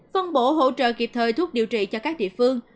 phân bổ hỗ trợ kịp thời thuốc điều trị cho các địa phương